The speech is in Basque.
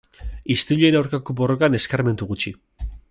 Istiluen aurkako borrokan eskarmentu gutxi.